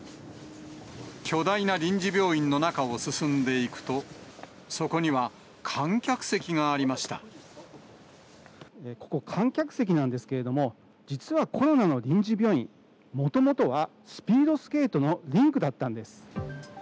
巨大な臨時病院の中を進んでいくと、ここ、観客席なんですけれども、実はコロナの臨時病院、もともとはスピードスケートのリンクだったんです。